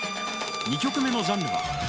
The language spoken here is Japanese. ２曲目のジャンルはえ